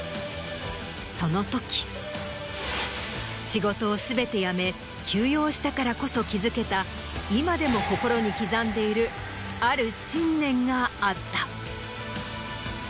そのとき仕事を全て辞め休養したからこそ気付けた今でも心に刻んでいるある信念があった。